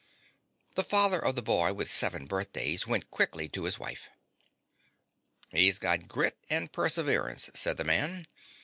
The father of the boy with seven birthdays went quickly to his wife. "He's got grit and perseverance," said the man.